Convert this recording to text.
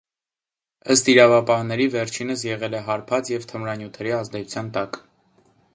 Ըստ իրավապահների, վերջինս եղել է հարբած և թմրանյութերի ազդեցության տակ։